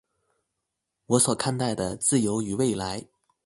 我所看待的自由與未來